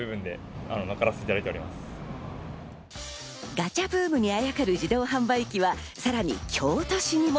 ガチャブームにあやかる自動販売機はさらに京都市にも。